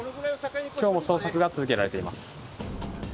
きょうも捜索が続けられています。